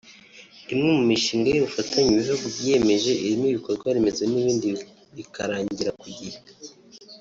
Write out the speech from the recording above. imwe mu mishinga y’ubufatanye ibi bihugu byiyemeje irimo ibikorwa remezo n’ibindi bikarangira ku gihe